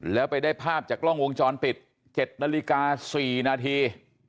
แล้วไปได้ภาพจากกล้องวงจรปิด๗นาฬิกา๔นาที